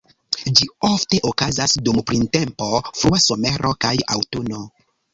Ĝi ofte okazas dum printempo, frua somero kaj aŭtuno.